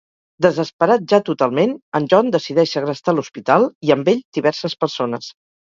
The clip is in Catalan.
Desesperat ja totalment, en John decideix segrestar l'hospital i amb ell, diverses persones.